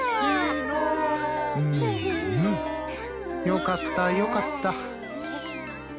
うんうんよかったよかった。